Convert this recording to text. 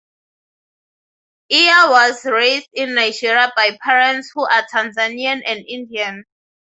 Iyer was raised in Nigeria by parents who are Tanzanian and Indian.